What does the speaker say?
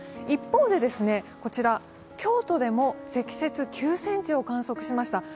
一方でこちら京都でも積雪９ｃｍを観測しました。